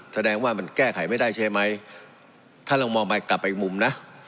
แสดงว่ามันแก้ไขไม่ได้ใช่ไหมถ้าลองมองไปกลับไปอีกมุมนะ